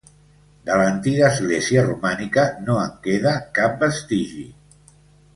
De l’antiga església romànica no en queda cap vestigi.